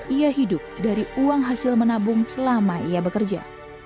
ia hidup dari uang hasil menabung selama ia bekerja